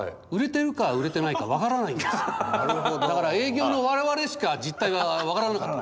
だから営業の我々しか実態は分からなかったんですね。